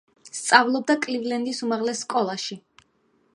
სწავლობდა კლივლენდის უმაღლეს სკოლაში.